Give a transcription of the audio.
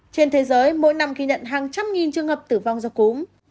trên thế giới mỗi năm ghi nhận hàng trăm nghìn trường hợp tử vong do cúm